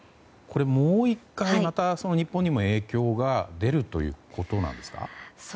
もう１回、日本にも影響が出るということなんですか？